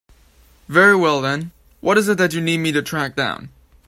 Very well then, what is it that you need me to track down?